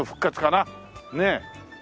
ねえ。